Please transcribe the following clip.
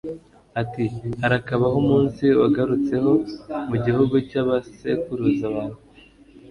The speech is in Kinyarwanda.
ati harakabaho umunsi wagarutseho mu gihugu cy'abasekuruza bawe